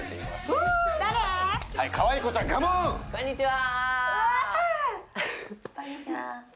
うわこんにちは